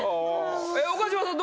岡島さん